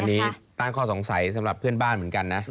อันนี้ตั้งข้อสงสัยสำหรับเพื่อนบ้านเหมือนกันนะ